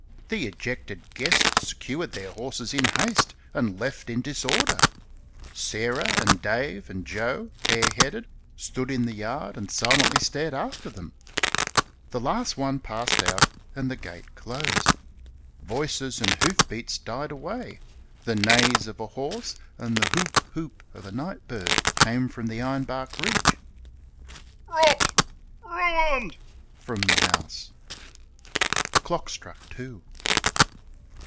The ejected guests secured their horses in haste and left in disorder. Sarah and Dave and Joe, bareheaded, stood in the yard and silently stared after them. The last one passed out and the gate closed. Voices and hoof beats died away. The neighs of a horse and the "whoop, whoop" of a night bird came from the ironbark ridge. "Robbed ruined!" from the house. The clock struck two.